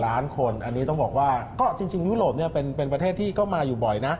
ล้านคนอันนี้ต้องบอกว่าก็จริงยุโรปเป็นประเทศที่ก็มาอยู่บ่อยนะ